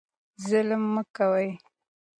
ظلم مه کوئ.